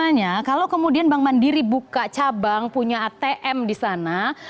nah kalau kemudian bank mandiri buka cabang punya atm di sana